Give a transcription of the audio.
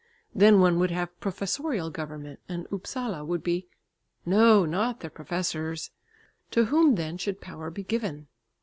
Then one would have professorial government, and Upsala would be no, not the professors! To whom then should power be given?